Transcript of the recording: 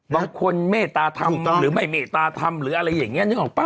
บางคนเมตตาธรรมหรือไม่เมตตาธรรมหรืออะไรอย่างนี้นึกออกป่